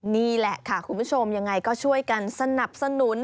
นี่แหละค่ะคุณผู้ชมยังไงก็ช่วยกันสนับสนุน